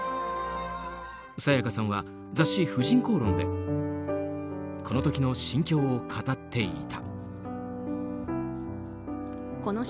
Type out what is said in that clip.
沙也加さんは雑誌「婦人公論」でこの時の心境を語っていた。